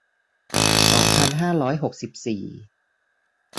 สองพันห้าร้อยหกสิบสี่